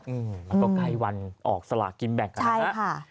ก็ใกล้วันออกสลากินแบบค่ะ